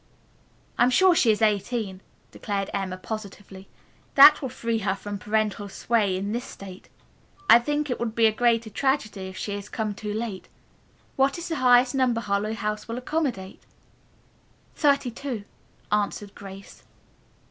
"I am sure she is eighteen," declared Emma positively. "That will free her from parental sway in this state. I think it would be a greater tragedy if she has come too late. What is the highest number of girls Harlowe House will accommodate?" "Thirty two," answered Grace.